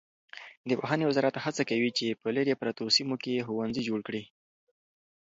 د پوهنې وزارت هڅه کوي چې په لیرې پرتو سیمو کې ښوونځي جوړ کړي.